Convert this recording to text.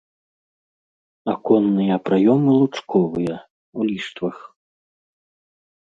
Аконныя праёмы лучковыя, у ліштвах.